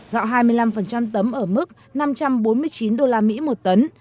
gạo hai mươi năm tấm ở mức năm trăm bốn mươi chín usd một tấn